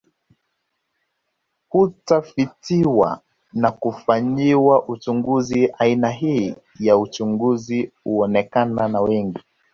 Hutafitiwa kwa kufanyiwa uchunguzi aina hii ya uchunguzi huonekana na wengi